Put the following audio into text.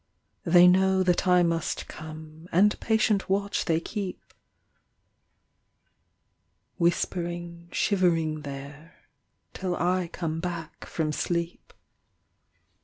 They know that I must come, And patient watch they keep, QO Whispering, shivering there, Till I come back from sleep.